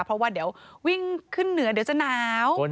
เพราะว่าเดี๋ยววิ่งขึ้นเหนือเดี๋ยวจะหนาว